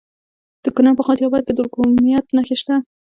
د کونړ په غازي اباد کې د کرومایټ نښې شته.